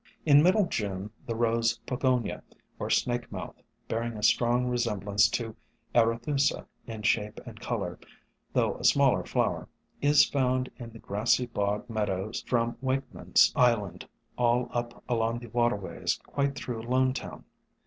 In middle June the Rose Pogonia or Snake mouth, bearing a strong resemblance to Arethusa in shape and color, though a smaller flower, is found in the grassy bog meadows from Wakeman's Island all up along the waterways quite through Lonetown.